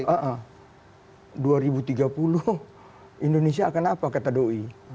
aa dua ribu tiga puluh indonesia akan apa kata doi